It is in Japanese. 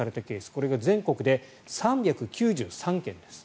これが全国で３９３件です。